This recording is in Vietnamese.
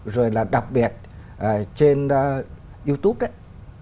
rồi là đặc biệt trên youtube đấy